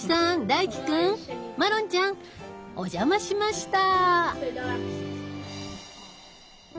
大義くんマロンちゃんお邪魔しました。